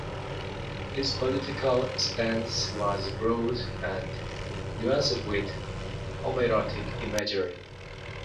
His political stance was broad and nuanced with homoerotic imagery.